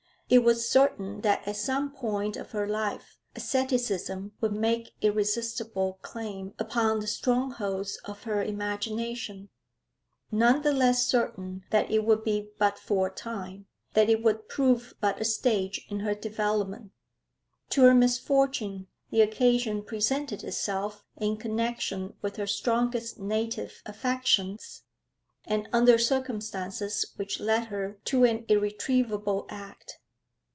It was certain that at some point of her life asceticism would make irresistible claim upon the strongholds of her imagination; none the less certain that it would be but for a time, that it would prove but a stage in her development. To her misfortune the occasion presented itself in connection with her strongest native affections, and under circumstances which led her to an irretrievable act.